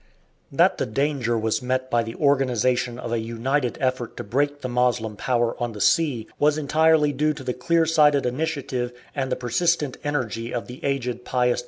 That the danger was met by the organization of a united effort to break the Moslem power on the sea was entirely due to the clear sighted initiative and the persistent energy of the aged Pius V.